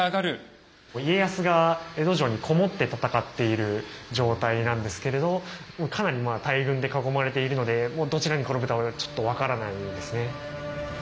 家康が江戸城に籠もって戦っている状態なんですけれどもうかなり大軍で囲まれているのでもうどちらに転ぶかちょっと分からないですね。